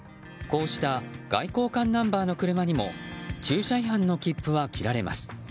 こうした外交官ナンバーの車にも駐車違反の切符は切られます。